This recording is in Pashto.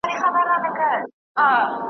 یو مُلا وو یوه ورځ سیند ته لوېدلی `